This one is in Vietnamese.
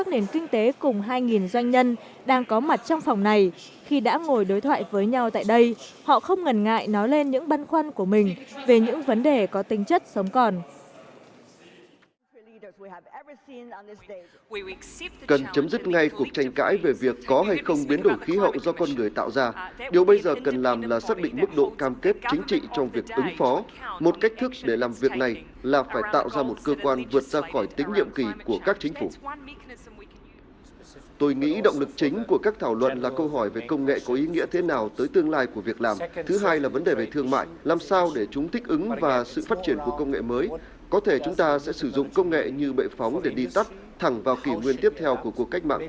chúng ta sẽ sử dụng công nghệ như bệ phóng để đi tắt thẳng vào kỷ nguyên tiếp theo của cuộc cách mạng họp công nghiệp lần thứ tư